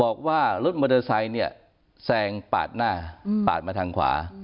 บอกว่ารถมอเตอร์ไซค์เนี่ยแซงปาดหน้าปาดมาทางขวา